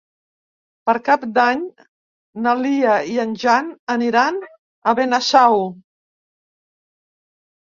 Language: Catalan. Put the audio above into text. Per Cap d'Any na Lia i en Jan aniran a Benasau.